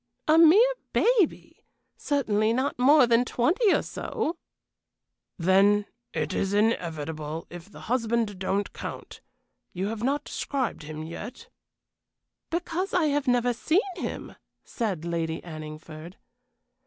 "A mere baby. Certainly not more than twenty or so." "Then it is inevitable, if the husband don't count. You have not described him yet." "Because I have never seen him," said Lady Anningford.